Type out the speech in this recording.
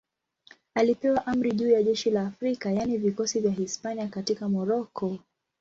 Alipewa amri juu ya jeshi la Afrika, yaani vikosi vya Hispania katika Moroko.